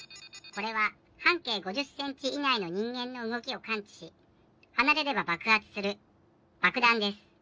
これは半径５０ｃｍ以内の人間の動きを感知し離れれば爆発する爆弾です。